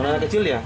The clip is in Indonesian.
anak anak kecil ya